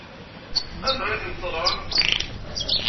Anda ay tent-teɣramt?